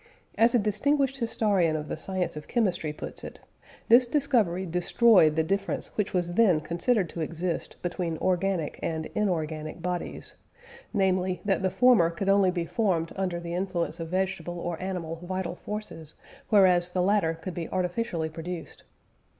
As a distinguished historian of the science of chemistry puts it: "This discovery destroyed the difference which was then considered to exist between organic and inorganic bodies, viz. that the former could only be formed under the influence of vegetable or animal vital forces, whereas the latter could be artificially produced."